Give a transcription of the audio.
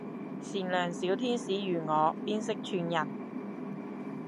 善良小天使如我邊識串人